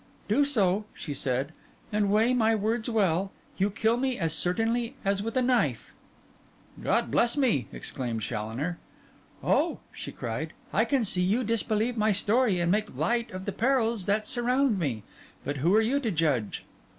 'Do so,' she said, 'and—weigh my words well—you kill me as certainly as with a knife.' 'God bless me!' exclaimed Challoner. 'Oh,' she cried, 'I can see you disbelieve my story and make light of the perils that surround me; but who are you to judge?